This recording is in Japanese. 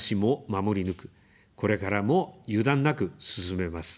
守り抜く、これからも油断なく進めます。